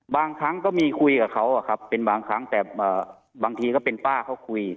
บางครั้งก็มีคุยกับเขาเป็นบางครั้งแต่บางทีก็เป็นป้าเขาคุย